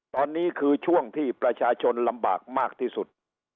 ตอนนี้คือช่วงที่ประชาชนลำบากมากที่สุด